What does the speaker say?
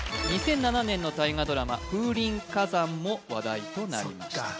２００７年の大河ドラマ「風林火山」も話題となりました